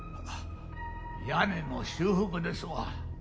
屋根の修復ですわ。